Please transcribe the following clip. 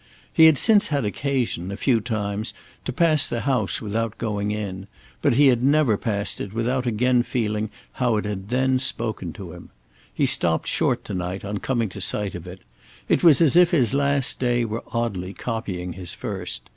He had since had occasion, a few times, to pass the house without going in; but he had never passed it without again feeling how it had then spoken to him. He stopped short to night on coming to sight of it: it was as if his last day were oddly copying his first.